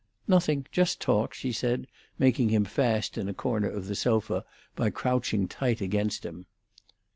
"Nothing. Just talk," she said, making him fast in a corner of the sofa by crouching tight against him.